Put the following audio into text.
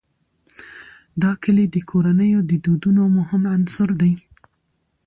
دا کلي د کورنیو د دودونو مهم عنصر دی.